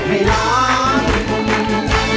ร้องได้